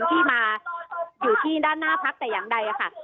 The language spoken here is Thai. ที่มาอยู่ที่ด้านหน้าพักแต่อย่างใดค่ะ